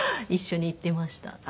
一緒に行ってました。